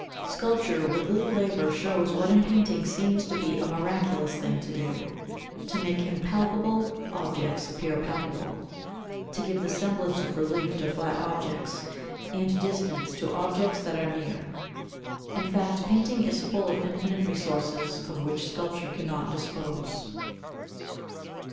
Sculpture with little labour shows what in painting seems to be a miraculous thing to do: to make impalpable objects appear palpable, to give the semblance of relief to flat objects, and distance to objects that are near. In fact painting is full of infinite resources of which sculpture cannot dispose.